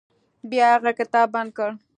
بیا هغه کتاب بند کړ.